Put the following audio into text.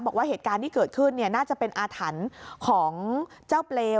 บอกว่าเหตุการณ์ที่เกิดขึ้นน่าจะเป็นอาถรรพ์ของเจ้าเปรย์